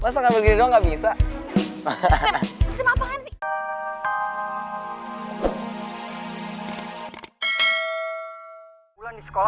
sam gak lucu deh mainan lo